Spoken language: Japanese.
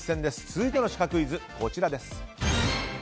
続いてのシカクイズです。